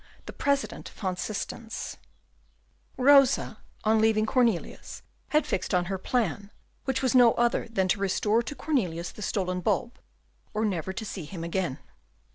The President van Systens Rosa, on leaving Cornelius, had fixed on her plan, which was no other than to restore to Cornelius the stolen tulip, or never to see him again.